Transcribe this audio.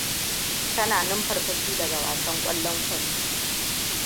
Tana numfarfashi daga wasan kwallon kwando.